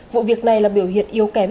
vụ việc này là biểu hiện yếu kém